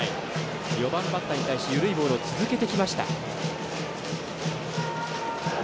４番バッターに対して緩いボールを続けてきました。